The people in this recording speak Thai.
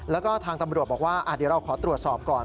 แล้วก็ทางตำรวจบอกว่าเดี๋ยวเราขอตรวจสอบก่อน